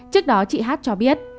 trước đó chị hát cho biết